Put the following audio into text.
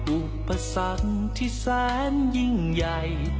อุปสรรคที่แสนยิ่งใหญ่